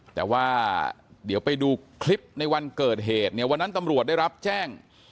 แต่ว่าเดี๋ยวไปดูคลิปในวันเกิดเหตุเนี่ยวันนั้นตำรวจได้รับแจ้ง